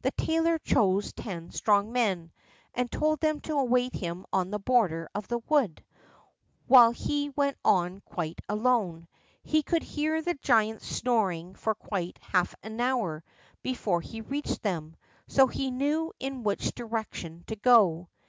The tailor chose ten strong men, and told them to await him on the border of the wood, while he went on quite alone. He could hear the giants snoring for quite half an hour before he reached them, so he knew in which direction to go.